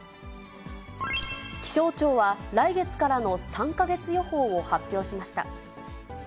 気象庁は来月からの３か月予報を発表しました。